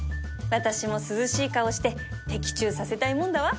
私も涼しい顔して的中させたいもんだわ